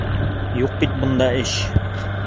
Юҡ бит бында эш.